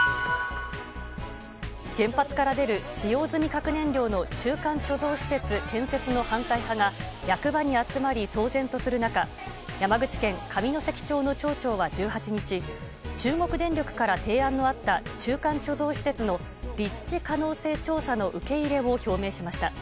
原発から出る使用済み核燃料の中間貯蔵施設建設の反対派が役場に集まり騒然とする中山口県上関町の町長は１８日中国電力から提案のあった中間貯蔵施設の立地可能性調査の受け入れを表明しました。